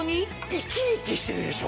生き生きしてるでしょ。